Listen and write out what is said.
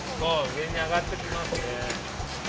うえにあがってきますね。